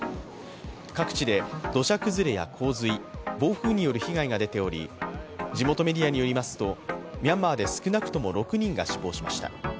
各地で土砂崩れや洪水暴風による被害が出ており地元メディアによりますとミャンマーで少なくとも６人が死亡しました。